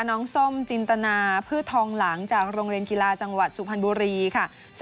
น้องส้มจินตนาพืททองหลังจากโรงเร็นกีฬาจังหวัดสุพพันบุรีครับ